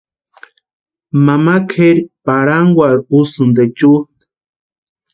Mama kʼeri parhankwarhu úsïnti echutʼa.